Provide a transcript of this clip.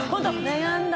悩んだ！